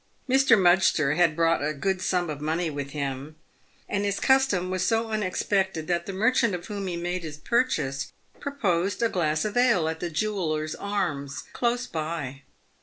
Mr. Mudgster had brought a good sum of money with him, and his custom was so unexpected that the merchant of whom he made his purchase proposed a glass of ale at the Jewellers' Arms, close by.